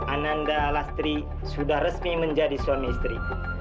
ananda lastri sudah resmi menjadi suami istri